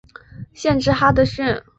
县治哈得逊。